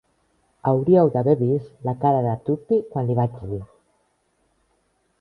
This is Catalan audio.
Hauríeu d'haver vist la cara de Tuppy quan li vaig dir.